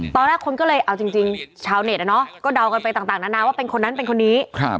ตอนแรกคนก็เลยเอาจริงชาวเน็ตก็เดากันไปต่างนานาว่าเป็นคนนั้นเป็นคนนี้